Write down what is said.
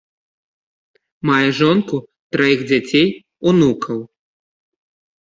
Мае жонку, траіх дзяцей, унукаў.